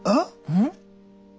うん？